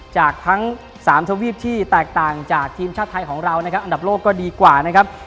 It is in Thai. จากทั้ง๓ทวีปที่แตกต่างจากทีมชาติไทยของเรานะครับอันดับโลกก็ดีกว่านะครับ